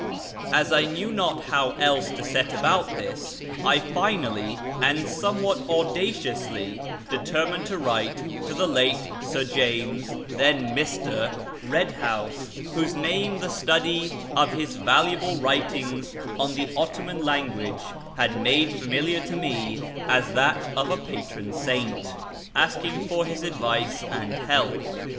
As I knew not how else to set al)out this, I finally, and somewhat audaciously, determined to write to the late Sir James (then Mr.) Eedhouse (whose name the study of his valuable writings on the Ottoman language had made familiar to me as that of a patron saint), asking for his advice and help.